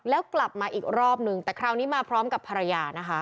แล้วกลับมาอีกรอบนึงแต่คราวนี้มาพร้อมกับภรรยานะคะ